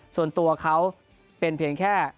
ส่วนตัวเขาเป็นเพียงแค่